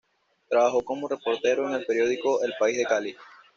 Trabajó como reportero en el periódico El País de Cali.